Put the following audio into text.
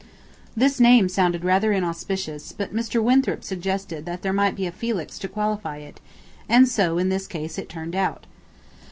This name sounded rather inauspicious, but Mr. Winthrop suggested that there might be a "Felix" to qualify it, and so in this case it turned out.